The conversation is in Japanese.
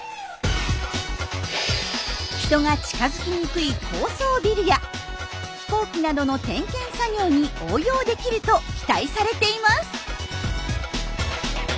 人が近づきにくい高層ビルや飛行機などの点検作業に応用できると期待されています。